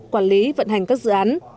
quản lý vận hành các dự án